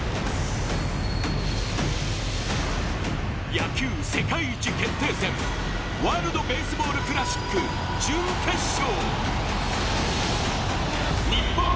野球世界一決定戦、ワールドベースボールクラシック準決勝。